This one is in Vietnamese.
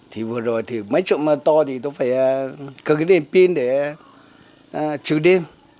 thì vừa rồi thì mấy chỗ mà to thì tôi phải cầm cái đèn pin để chữ đêm